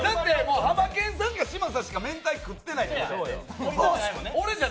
ハマケンさんか嶋佐しかめんたい食ってない。